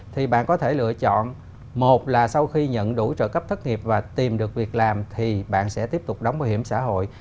thì bạn có thể lựa chọn một là sau khi nhận đủ trợ cấp thất nghiệp và tìm được việc làm thì bạn sẽ tiếp tục đóng bảo hiểm xã hội